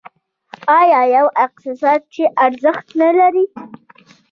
آیا یو اقتصاد چې ارزښت نلري؟